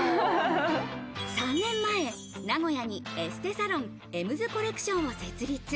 ３年前、名古屋にエステサロン、エムズコレクションを設立。